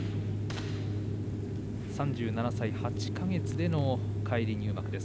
３７歳８か月での返り入幕です。